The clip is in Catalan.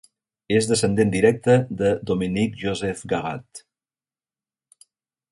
És descendent directe de Dominique Joseph Garat.